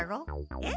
えっ？